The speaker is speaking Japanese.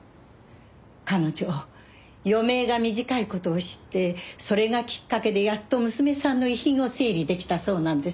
彼女余命が短い事を知ってそれがきっかけでやっと娘さんの遺品を整理できたそうなんです。